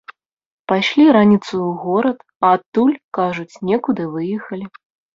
Пайшлі раніцаю ў горад, а адтуль, кажуць, некуды выехалі.